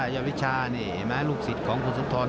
ยอดวิชานี่ลูกศิษย์ของคุณสุธร